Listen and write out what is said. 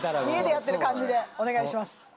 家でやってる感じでお願いします。